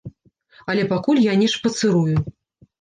Але пакуль я не шпацырую.